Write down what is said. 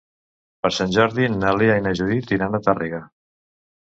Per Sant Jordi na Lea i na Judit iran a Tàrrega.